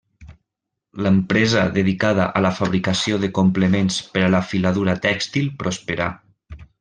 L'empresa dedicada a la fabricació de complements per a la filatura tèxtil prosperà.